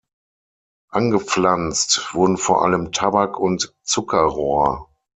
Angepflanzt wurden vor allem Tabak und Zuckerrohr.